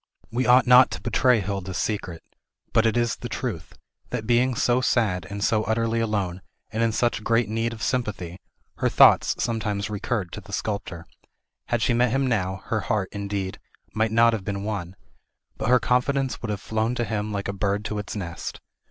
We ought not to betray Hilda's secret; but it is the truth, that being so sad, and so utterly alone, and in such great need of sympathy, her thoughts sometimes recurred to the sculptor. Had she met him now, her heart, indeed, might not have been won, but her confidence would have flown to him like a bird to its nest.